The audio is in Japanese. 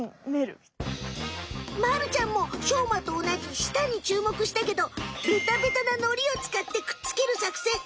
まるちゃんもしょうまとおなじ舌にちゅうもくしたけどベタベタなのりをつかってくっつけるさくせん。